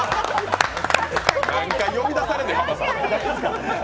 何回呼び出されんねん、ｈａｍａさん。